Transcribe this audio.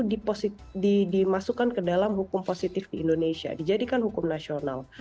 nah ketahuan secara tidak sah itu dimasukkan ke dalam hukum positif di indonesia dijadikan hukum nasional